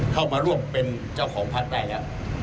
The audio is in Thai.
เข้ามาร่วมเป็นเจ้าของพักได้แล้ว